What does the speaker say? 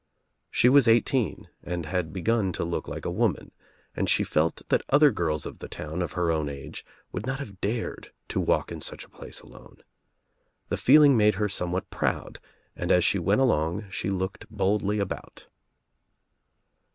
She was eighteen and had begun to look like a woman, and she felt that other girls of the town of her own age would not have dared to walk in such a place alone. The feeling made her somewhat proud and as she went along she looked boldly about.